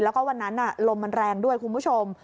แล้วก็วันนั้นลมมันแรงด้วยคุณผู้ชม